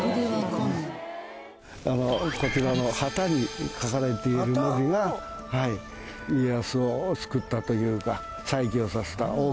こちらの旗に書かれている文字が家康を救ったというか再起をさせた大きな。